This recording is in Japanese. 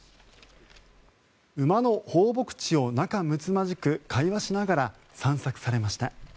馬の放牧地を仲むつまじく会話しながら散策されました。